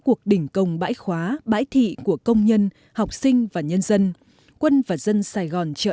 cuộc đình công bãi khóa bãi thị của công nhân học sinh và nhân dân quân và dân sài gòn trợ